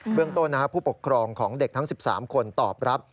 เรื่องต้นผู้ปกครองของเด็กทั้ง๑๓คนตอบรับ